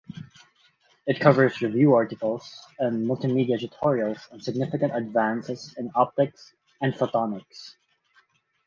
It covers review articles and multimedia tutorials on significant advances in optics and photonics.